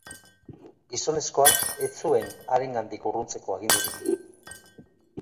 Gizonezkoak ez zuen harengandik urruntzeko agindurik.